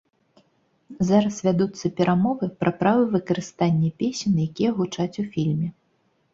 Зараз вядуцца перамовы пра права выкарыстання песень, якія гучаць у фільме.